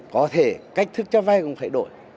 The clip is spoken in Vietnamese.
có thể cách thức cho vay cũng thay đổi